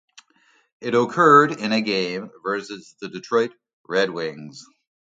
It occurred in a game versus the Detroit Red Wings.